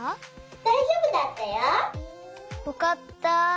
だいじょうぶだったよ。よかった！